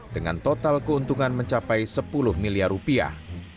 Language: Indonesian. dengan total keuntungan mencapai sepuluh miliar rupiah